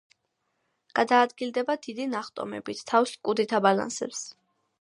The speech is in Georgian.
გადაადგილდება დიდი ნახტომებით, თავს კუდით აბალანსებს.